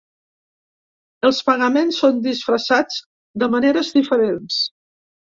Els pagaments són disfressats de maneres diferents.